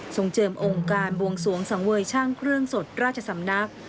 เจิมองค์การบวงสวงสังเวยช่างเครื่องสดราชสำนัก